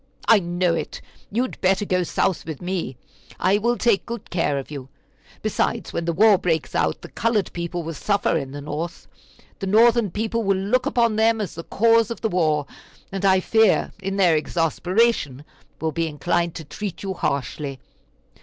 I know it. You had better go South with me; I will take good care of you. Besides, when the war breaks out, the colored people will suffer in the North. The Northern people will look upon them as the cause of the war, and I fear, in their exasperation, will be inclined to treat you harshly.